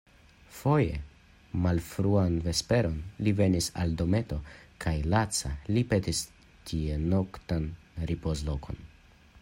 Foje, malfruan vesperon, li venis al dometo, kaj laca li petis tie noktan ripozlokon.